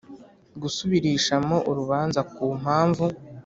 Gusubirishamo urubanza ku mpamvu